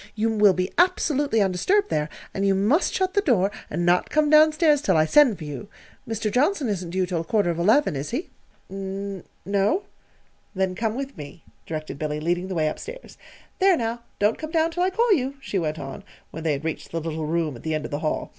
You will be absolutely undisturbed there, and you must shut the door and not come down stairs till I send for you. Mr. Johnson isn't due till quarter of eleven, is he?" "N no." "Then come with me," directed Billy, leading the way up stairs. "There, now, don't come down till I call you," she went on, when they had reached the little room at the end of the hall.